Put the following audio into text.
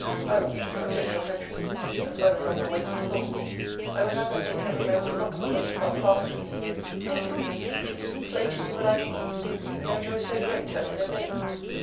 I would be the subject of her dreams, as well as of her waking thoughts. I would have her think every moment lost that is not passed with me: sing to me, read to me, play to me when I pleased: no joy so great as in obeying me.